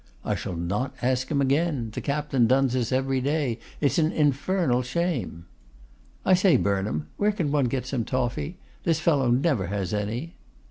'I shall not ask him again. The captain duns us every day. It is an infernal shame.' 'I say, Burnham, where can one get some toffy? This fellow never has any.